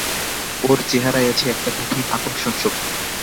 ওর চেহারায় আছে একটা কঠিন আকর্ষণশক্তি।